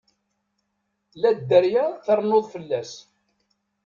La dderya ternuḍ fell-as.